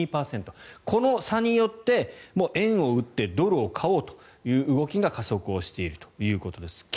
この差によって、円を売ってドルを買おうという動きが加速をしているということです。